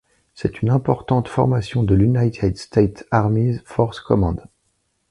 C’est une importante formation de l’United States Army Forces Command.